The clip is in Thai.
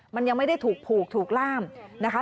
มันยังไม่ได้ถูกผูกถูกล่ามนะคะ